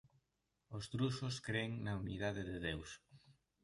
Os drusos cren na unidade de Deus.